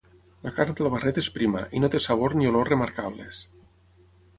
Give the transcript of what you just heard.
La carn del barret és prima, i no té sabor ni olor remarcables.